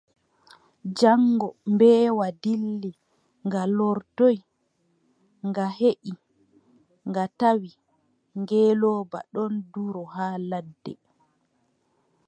Jaŋngo mbeewa dilli, nga lortoy, nga yehi nga tawi ngeelooba ɗon dura haa ladde.